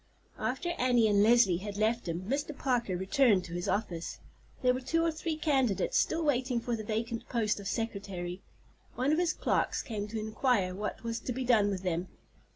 After Annie and Leslie had left him, Mr. Parker returned to his office. There were two or three candidates still waiting for the vacant post of secretary. One of his clerks came to inquire what was to be done with them.